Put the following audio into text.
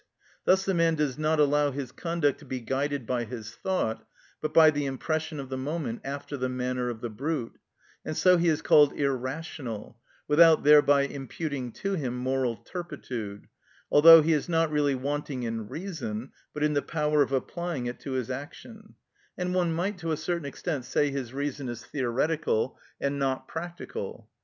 Thus the man does not allow his conduct to be guided by his thought, but by the impression of the moment, after the manner of the brute; and so he is called irrational (without thereby imputing to him moral turpitude), although he is not really wanting in reason, but in the power of applying it to his action; and one might to a certain extent say his reason is theoretical and not practical.